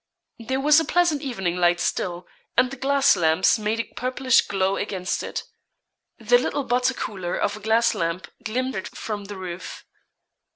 There was a pleasant evening light still, and the gas lamps made a purplish glow against it. The little butter cooler of a glass lamp glimmered from the roof.